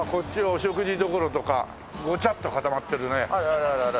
あららら。